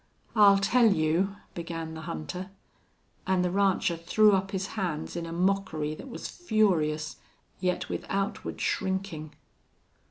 "I'll tell you...." began the hunter. And the rancher threw up his hands in a mockery that was furious, yet with outward shrinking.